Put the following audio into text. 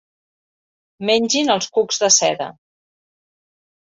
Mengin els cucs de seda.